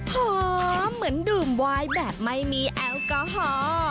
หอมเหมือนดื่มวายแบบไม่มีแอลกอฮอล์